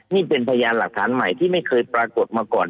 นี่เป็นพยานหลักฐานใหม่ที่ไม่เคยปรากฏมาก่อน